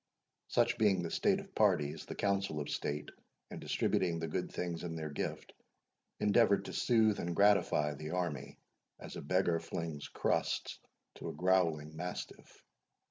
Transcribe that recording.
Such being the state of parties, the Council of State, in distributing the good things in their gift, endeavoured to soothe and gratify the army, as a beggar flings crusts to a growling mastiff.